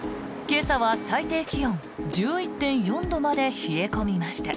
今朝は最低気温１１．４度まで冷え込みました。